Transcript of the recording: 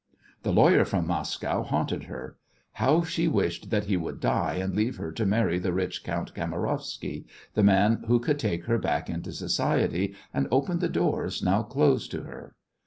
The lawyer from Moscow haunted her. How she wished that he would die and leave her to marry the rich Count Kamarowsky, the man who could take her back into society and open the doors now closed to her!